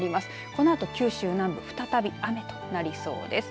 このあと九州南部、再び雨となりそうです。